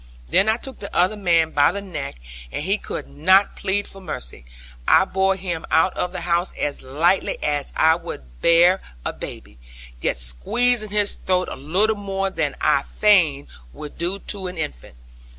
Then I took the other man by the neck; and he could not plead for mercy. I bore him out of the house as lightly as I would bear a baby, yet squeezing his throat a little more than I fain would do to an infant.